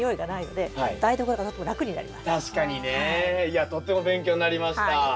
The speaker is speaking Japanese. いやとっても勉強になりました。